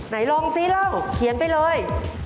ไหนลองซิลองเขียนไปเลย